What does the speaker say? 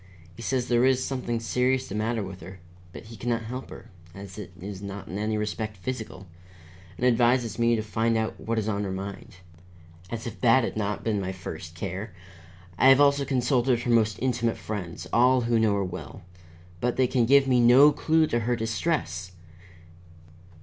He says there is something serious the matter with her, but he can not help her, as it is not in any respect physical, and advises me to find out what is on her mind. As if that had not been my first care! I have also consulted her most intimate friends, all who know her well, but they can give me no clue to her distress.